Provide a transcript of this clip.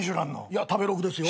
いや食べログですよ。